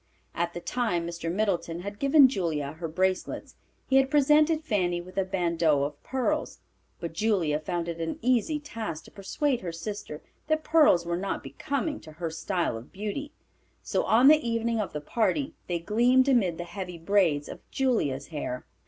At the time Mr. Middleton had given Julia her bracelets, he had presented Fanny with a bandeau of pearls. But Julia found it an easy task to persuade her sister that pearls were not becoming to her style of beauty; so on the evening of the party they gleamed amid the heavy braids of Julia's hair.